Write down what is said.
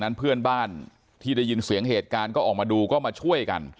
เพื่อนบ้านที่ได้ยินเสียงเหตุการณ์ก็ออกมาดูก็มาช่วยกัน